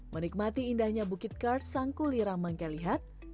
menikmati indahnya bukit kars sangku lirang mangkalihat